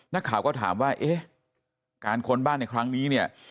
นักข่าวก็ถามว่าเอ๊ะการค้นบ้านในครั้งนี้เนี่ย